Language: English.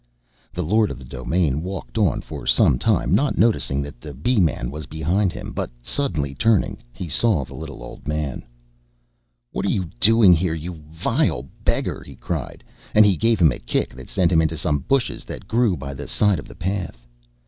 The Lord of the Domain walked on for some time, not noticing that the Bee man was behind him. But suddenly turning, he saw the little old man. "What are you doing here, you vile beggar?" he cried; and he gave him a kick that sent him into some bushes that grew by the side of the path.